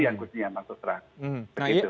yang gudian maksudnya